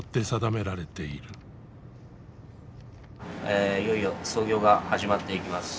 ええいよいよ操業が始まっていきます。